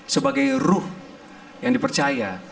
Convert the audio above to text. sebagai ruh yang dipercaya